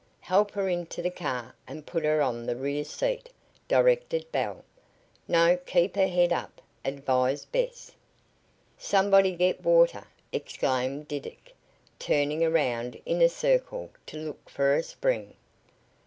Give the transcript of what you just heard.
"Help her into the car and put her on the rear seat," directed Belle. "No; keep her head up," advised Bess. "Somebody get water!" exclaimed Diddick, turning around in a circle to look for a spring.